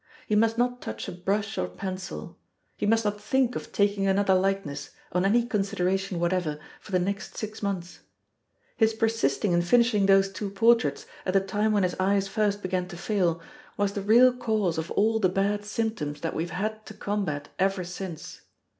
He must not touch a brush or pencil; he must not think of taking another likeness, on any consideration whatever, for the next six months. His persisting in finishing those two portraits, at the time when his eyes first began to fail, was the real cause of all the bad symptoms that we have had to combat ever since.